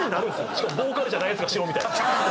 しかもボーカルじゃないヤツが白みたいな。